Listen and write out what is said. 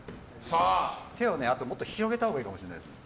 手をもっと広げたほうがいいかもしれないです。